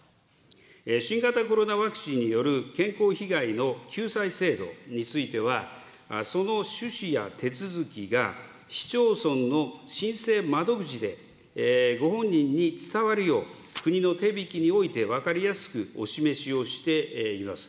新型コロナワクチンによる健康被害の救済制度については、その趣旨や手続きが市町村の申請窓口でご本人に伝わるよう、国の手引において、分かりやすくお示しをしています。